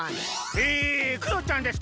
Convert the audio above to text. えクヨちゃんです。